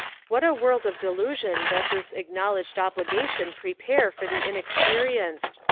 What a world of delusion does this acknowledged obligation prepare for the inexperienced!